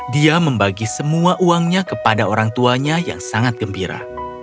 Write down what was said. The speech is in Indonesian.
dia membagi semua uangnya kepada orang tuanya yang sangat gembira